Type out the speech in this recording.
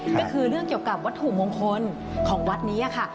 ก็คือเรื่องเกี่ยวกับวัตถุมงคลของวัดนี้ค่ะ